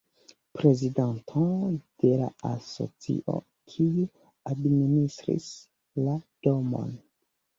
Prezidanto de la asocio, kiu administris la domon.